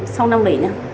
sau năm bảy nha